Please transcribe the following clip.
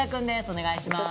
お願いします。